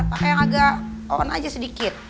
pakai yang agak on aja sedikit